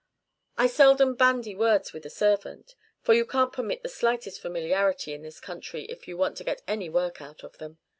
I seldom bandy words with a servant, for you can't permit the slightest familiarity in this country if you want to get any work out of them.